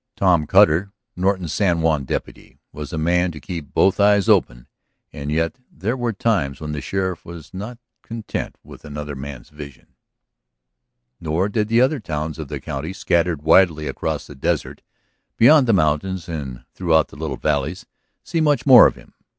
Tom Cutter, Norton's San Juan deputy, was a man to keep both eyes open, and yet there were times when the sheriff was not content with another man's vision. Nor did the other towns of the county, scattered widely across the desert, beyond the mountains and throughout the little valleys, see much more of him.